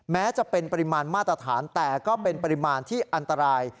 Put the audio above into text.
แม้จะเป็นปริมาณมาตรฐานแต่ก็เป็นปริมาณที่อันตราย